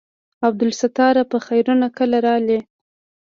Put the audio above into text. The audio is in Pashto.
عبدالستاره په خيرونه کله رالې.